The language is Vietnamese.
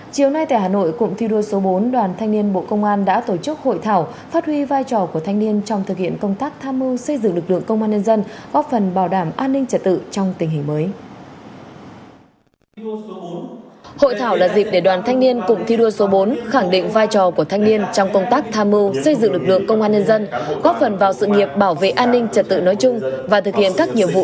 chiều nay tại hà nội cụm thi đua số bốn đoàn thanh niên bộ công an đã tổ chức hội thảo phát huy vai trò của thanh niên trong thực hiện công tác tham mưu xây dựng lực lượng công an nhân dân góp phần bảo đảm an ninh trật tự trong tình hình mới